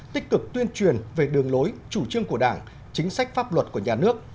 tích cực tuyên truyền về đường lối chủ trương của đảng chính sách pháp luật của nhà nước